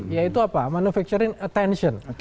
yaitu apa manufacturing attention